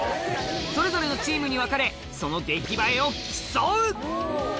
それぞれのチームに分かれ、その出来栄えを競う。